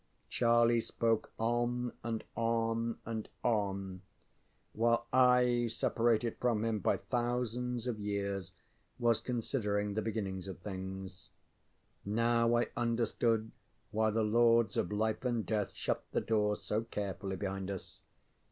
Charlie spoke on, and on, and on; while I, separated from him by thousands of years, was considering the beginnings of things. Now I understood why the Lords of Life and Death shut the doors so carefully behind us.